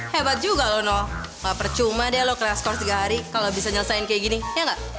hebat juga lo nol gaper cuma deh lo keras kursi tiga hari kalau bisa nyelesain kayak gini ya gak